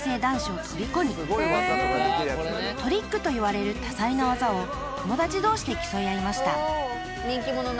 ［トリックといわれる多彩な技を友達同士で競い合いました］